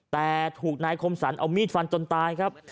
แต่ถูกนายคมสรรเอามีดฟันจนตายครับ